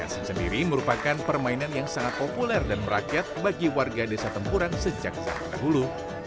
asin sendiri merupakan permainan yang sangat populer dan merakyat bagi warga desa tempuran sejak zaman dahulu